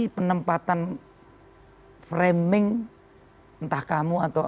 ini penempatan framing entah kamu atau mnc